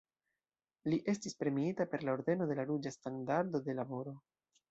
Li estis premiita per la Ordeno de la Ruĝa Standardo de Laboro.